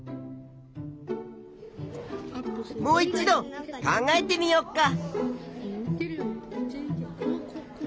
もう一度考えてみよっか！